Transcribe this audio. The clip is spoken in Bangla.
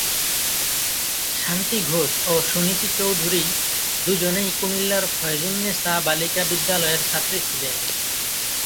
শান্তি ঘোষ ও সুনীতি চৌধুরী দুজনেই কুমিল্লার ফয়জুন্নেসা বালিকা বিদ্যালয়ের ছাত্রী ছিলেন।